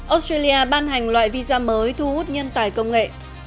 australia ban hành loại visa mới thu hút nhân tài công nghệ